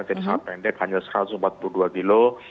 jadi sangat pendek hanya satu ratus empat puluh dua kilo